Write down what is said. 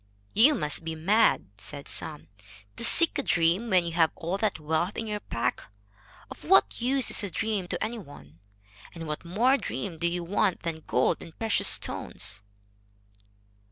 "You must be mad," said some, "to seek a dream when you have all that wealth in your pack. Of what use is a dream to any one? And what more dream do you want than gold and precious stones?"